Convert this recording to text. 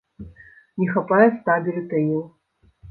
Не хапае ста бюлетэняў.